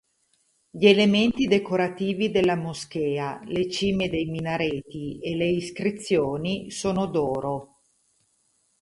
Gli elementi decorativi della moschea, le cime dei minareti e le iscrizioni sono d'oro.